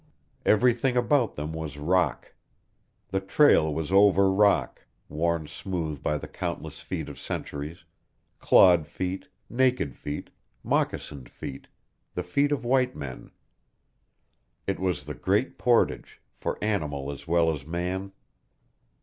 Everything about them was rock. The trail was over rock, worn smooth by the countless feet of centuries clawed feet, naked feet, moccasined feet, the feet of white men. It was the Great Portage, for animal as well as man.